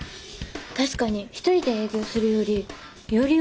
確かに一人で営業するよりより